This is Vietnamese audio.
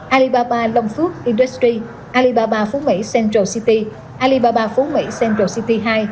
alibaba long phước industri alibaba phú mỹ central city alibaba phú mỹ central city hai